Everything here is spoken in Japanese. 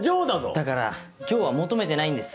だから上は求めてないんです。